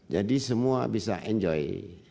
jadi semua bisa enjoy